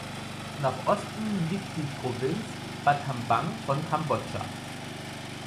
Nach Osten liegt die Provinz Battambang von Kambodscha.